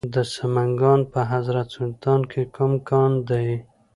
د سمنګان په حضرت سلطان کې کوم کان دی؟